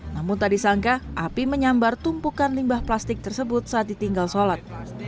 namun tak disangka api menyambar tumpukan limbah plastik tersebut saat ditinggal sholat